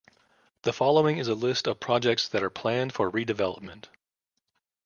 The following is a list of projects that are planned for redevelopment.